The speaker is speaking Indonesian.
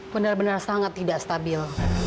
benar benar sangat tidak stabil